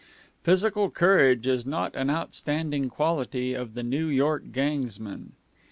Physical courage is not an outstanding quality of the New York gangsman.